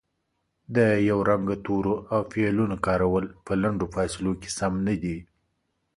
د یو رنګه تورو او فعلونو کارول په لنډو فاصلو کې سم نه دي